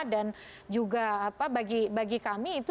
dan juga bagi kami itu